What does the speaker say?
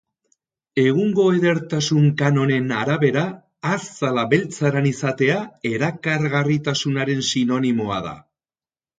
Egungo edertasun kanonen arabera, azala beltzaran izatea erakargarritasunaren sinonimoa da.